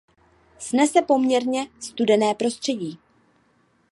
Snese poměrně studené prostředí.